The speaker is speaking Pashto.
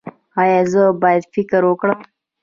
ایا زه باید فکر وکړم؟